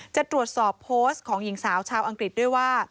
จะตรวจสอบโพสต์ของหญิงสาวชาวอังกฤษด้วยว่า